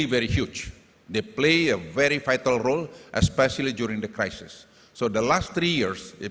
mereka memiliki peran yang sangat penting terutama dalam krisis